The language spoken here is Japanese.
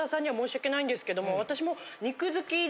私も。